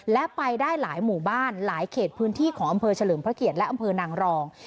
และไปได้หลายหมู่บ้านหลายเขตพื้นที่ของอำเภอเฉลิมพระเกียรติและอำเภอนางรอง